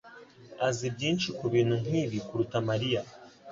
azi byinshi kubintu nkibi kuruta Mariya